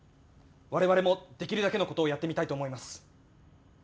我々もできるだけの事をやってみたいと思います。